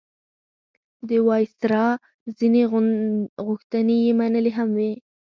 د وایسرا ځینې غوښتنې یې منلي هم وې.